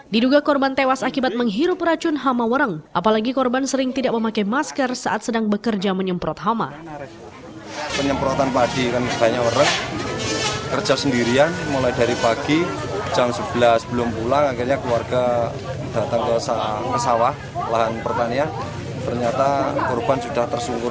diduga korban tewas akibat menghirup racun hama warang apalagi korban sering tidak memakai masker saat sedang bekerja menyemprot hama